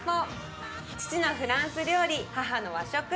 父のフランス料理母の和食